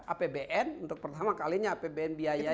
apbn untuk pertama kalinya apbn biaya